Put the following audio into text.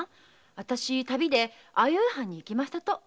あたし旅で相生藩に行きましたと。